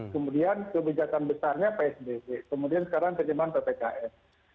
kemudian kebijakan besarnya psbb kemudian sekarang terjemahan ppkm